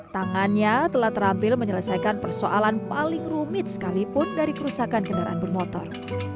tangannya telah terampil menyelesaikan persoalan paling rumit sekalipun dari kerusakan kendaraan bermotor